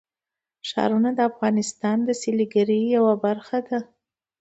ښارونه د افغانستان د سیلګرۍ یوه برخه ده.